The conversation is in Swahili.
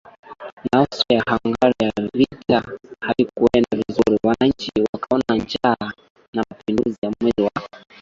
na AustriaHungaria Vita havikuenda vizuri wananchi wakaona njaa na mapinduzi ya mwezi wa